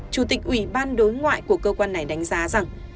chủ tịch ủy ban đối ngoại của cơ quan này đánh giá rằng